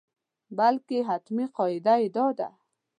بلکې حتمي قاعده یې دا ده.